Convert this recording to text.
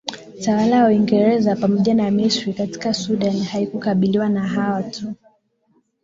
tawala ya uingereza pamoja na misri katika sudan haikukubaliwa na hawa watu